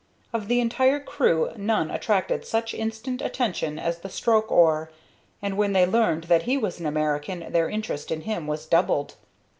Of the entire crew none attracted such instant attention as the stroke oar, and when they learned that he was an American their interest in him was doubled.